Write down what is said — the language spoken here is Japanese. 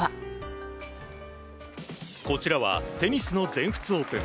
こちらはテニスの全仏オープン。